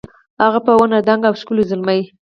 هغه په ونه دنګ او ښکلی زلمی